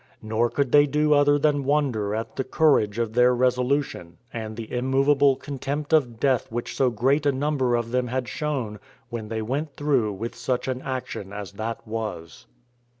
Nor could they do other than wonder at the courage of their resolution, and the immovable contempt of death which so great a number of them had shown, when they went through with such an action as that was.